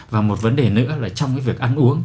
và một vấn đề nữa là trong cái việc ăn uống